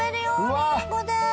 リンゴで。